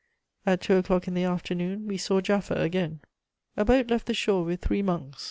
At two o'clock in the afternoon we saw Jaffa again. "A boat left the shore with three monks.